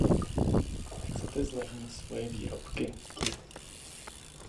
Chcete zlevnit svoje výrobky?